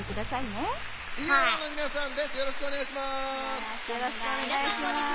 よろしくお願いします。